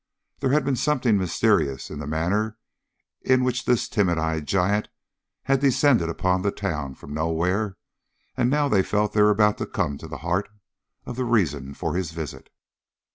There had been something mysterious in the manner in which this timid eyed giant had descended upon the town from nowhere, and now they felt that they were about to come to the heart of the reason of his visit.